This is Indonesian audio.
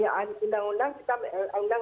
dan apa yang biasa dilakukan pansel pansel yang lain